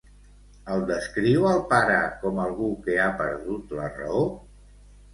El descriu el pare com algú que ha perdut la raó?